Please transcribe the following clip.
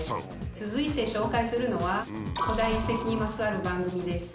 続いて紹介するのは古代遺跡にまつわる番組です。